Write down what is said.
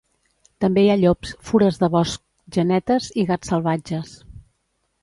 També hi ha llops, fures de bosc genetes i gats salvatges.